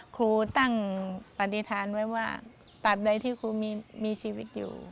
ครูตั้งปฏิฐานไว้ว่าตามใดที่ครูมีชีวิตอยู่